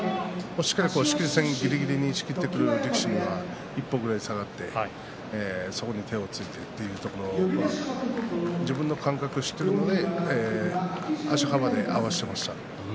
しっかり仕切り線ぎりぎりで取ってくる力士には一歩下がってそこに手をついてという自分の感覚を知っているので足幅で合わせていました。